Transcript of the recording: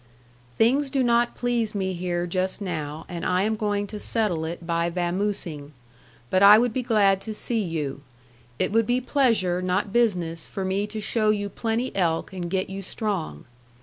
"Things do not please me here just now and I am going to settel it by vamosing. But I would be glad to see you. It would be pleasure not business for me to show you plenty elk and get you strong.